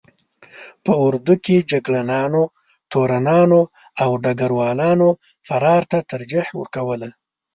په اردو کې جګړه نانو، تورنانو او ډګر والانو فرار ته ترجیح ورکوله.